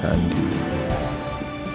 saat andi melihat kalau makam itu kosong